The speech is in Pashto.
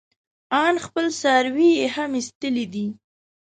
ان خپل څاروي يې هم ايستلي دي.